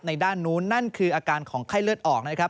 ด้านนู้นนั่นคืออาการของไข้เลือดออกนะครับ